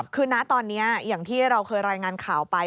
คือนะตอนนี้อย่างที่เราเคยรายงานข่าวไป